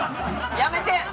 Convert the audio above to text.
やめて！